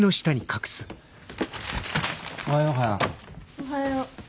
おはよう花。